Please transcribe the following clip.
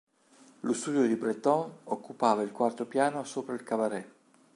Lo studio di Breton occupava il quarto piano sopra il cabaret.